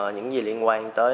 những gì liên quan tới